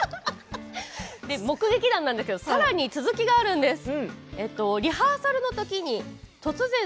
目撃談なんですがさらに続きがあるんです。